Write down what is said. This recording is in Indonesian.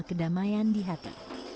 kedamaian di hati